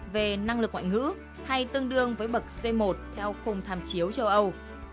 về năng lực ngoại ngữ hay tương đương với bậc c một theo khung tham chiếu châu âu